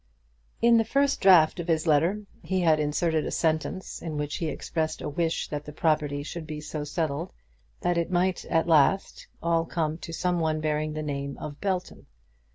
In the first draught of his letter he had inserted a sentence in which he expressed a wish that the property should be so settled that it might at last all come to some one bearing the name of Belton.